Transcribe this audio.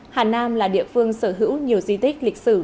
hà nam là địa phương sở hữu nhiều di tích lịch sử